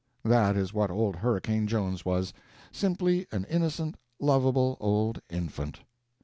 That is what old Hurricane Jones was simply an innocent, lovable old infant.